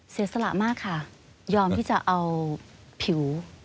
เสียสละมากค่ะยอมที่จะเอาผิว